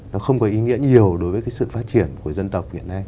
nó không có ý nghĩa nhiều đối với cái sự phát triển của dân tộc hiện nay